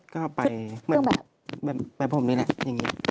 ก็ไปแบบผมนี้แหละอย่างนี้